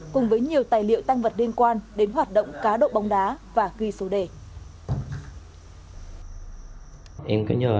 cùng với nhiều tài liệu tăng vật liên quan đến hoạt động cá độ bóng đá và ghi số đề